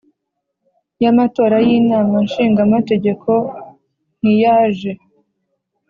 y Amatora y inama nshingamategeko ntiyaje